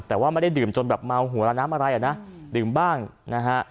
แต่ว่าไม่ได้ดื่มจนแบบเมาหัวละน้ำอะไรอ่ะนะดื่มบ้างนะฮะ